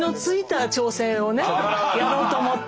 やろうと思って。